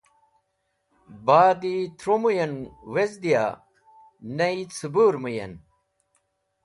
Ba’di tru mũy en wezdiya ney cẽbũr mũy en.